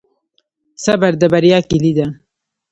صبر د بریا کلي ده.